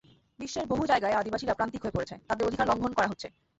বিশ্বের বহু জায়গায় আদিবাসীরা প্রান্তিক হয়ে পড়েছে, তাদের অধিকার লঙ্ঘন করা হচ্ছে।